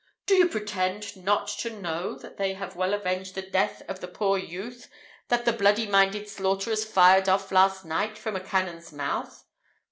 Do you pretend not to know that they have well avenged the death of the poor youth that the bloody minded slaughterers fired off last night from a cannon's mouth?